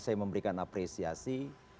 saya memberikan apresiasi